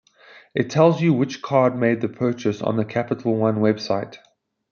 It tells you which card made the purchase on the Capital One website